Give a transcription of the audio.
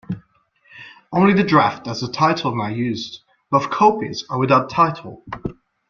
Only the draft has the title now used; both copies are without title.